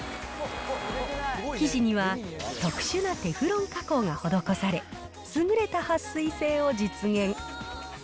生地には特殊なテフロン加工が施され、優れたはっ水性を実現。